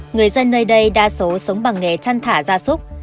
người dân nơi đây đa số sống bằng nghề chăn thả ra súc